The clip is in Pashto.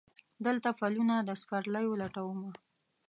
دلته پلونه د سپرلیو لټومه